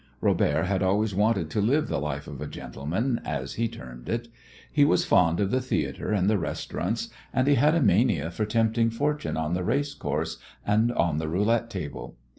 Robert had always wanted to live the life of a gentleman, as he termed it. He was fond of the theatre and the restaurants, and he had a mania for tempting fortune on the racecourse and on the roulette table.